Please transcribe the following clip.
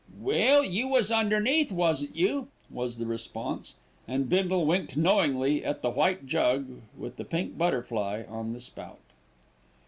"Well, you was underneath, wasn't you?" was the response, and Bindle winked knowingly at the white jug with the pink butterfly on the spout.